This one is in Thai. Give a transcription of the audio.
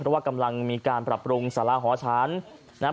เพราะว่ากำลังมีการปรับปรุงสาราหอฉันนะครับ